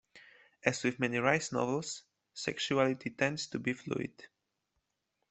As with many Rice novels, sexuality tends to be fluid.